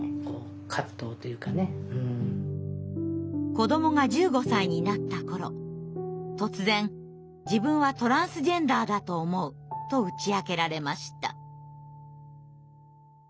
子どもが１５歳になった頃突然「自分はトランスジェンダーだと思う」と打ち明けられました。